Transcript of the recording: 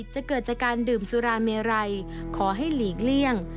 จะเกิดจากการดื่มสุราเมไรขอให้หลีกเลี่ยง